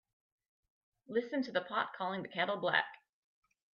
Listen to the pot calling the kettle black.